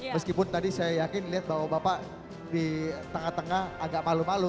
meskipun tadi saya yakin lihat bahwa bapak di tengah tengah agak malu malu